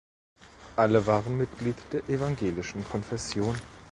Alle waren Mitglied der evangelischen Konfession.